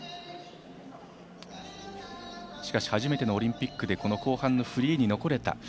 しかし初めてのオリンピックでこの後半のフリーに残れた。